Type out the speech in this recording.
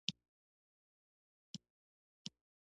تله کې خلک د مني هوا خوند اخلي.